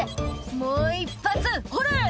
もう一発ほれ！」